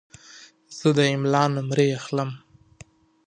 زه د املا نمرې اخلم.